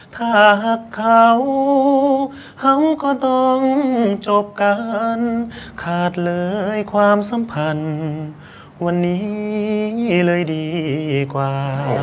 ถ้าหากเขาก็ต้องจบกันขาดเลยความสัมพันธ์วันนี้เลยดีกว่า